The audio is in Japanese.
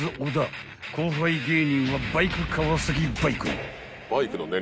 ［後輩芸人はバイク川崎バイク］